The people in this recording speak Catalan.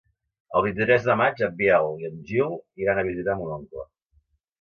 El vint-i-tres de maig en Biel i en Gil iran a visitar mon oncle.